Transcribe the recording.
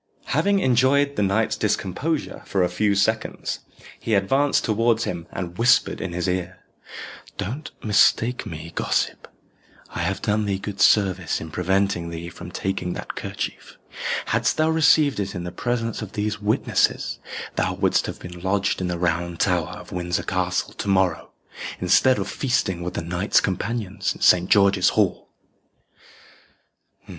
Having enjoyed the knight's discomposure for a few seconds, he advanced towards him, and whispered in his ear, "Don't mistake me, gossip. I have done thee good service in preventing thee from taking that kerchief. Hadst thou received it in the presence of these witnesses, thou wouldst have been lodged in the Round Tower of Windsor Castle to morrow, instead of feasting with the knights companions in Saint George's Hall."